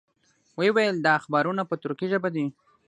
وې ویل دا اخبارونه په تُرکي ژبه دي.